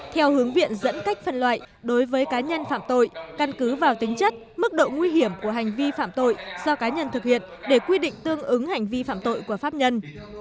theo hướng viện dẫn cách phân loại đối với cá nhân phạm tội căn cứ vào tính chất mức độ nguy hiểm của hành vi phạm tội do cá nhân thực hiện để quy định tương ứng hành vi phạm tội của pháp nhân